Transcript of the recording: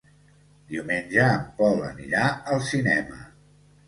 Diumenge en Pol anirà al cinema.